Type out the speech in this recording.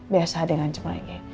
biasa ada yang ngancep lagi